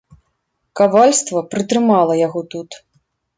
Кавальства прытрымала яго тут.